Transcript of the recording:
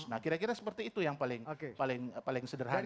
nah kira kira seperti itu yang paling sederhana